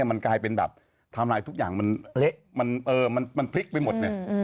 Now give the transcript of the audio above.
มันกลายเป็นแบบทำลายทุกอย่างมันเละมันพลิกไปหมด